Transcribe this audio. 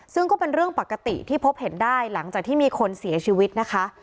ซึ่งก็เป็นเรื่องปกติที่พบเห็นได้หลังจากที่มีคนเสียชีวิตนะคะ